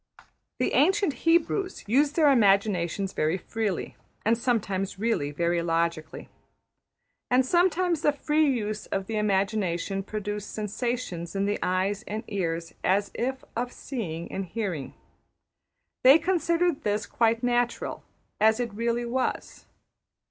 '' The ancient Hebrews used their imaginations very freely, and sometimes really very logically. And sometimes the free use of the imagination produced sensations in the eyes and ears as if of seeing and hearing. They considered this quite natural, as it really was.